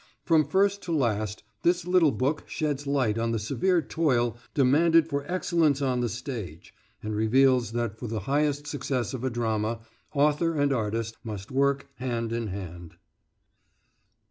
From first to last this little book sheds light on the severe toil demanded for excellence on the stage, and reveals that for the highest success of a drama, author and artist must work hand in hand.